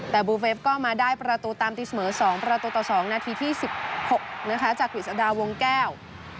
แต่บูเวฟก็มาได้ประตูตามตีเสมอ๒ประตูต่อ๒นาทีที่๑๖นะคะจากกฤษฎาวงแก้ว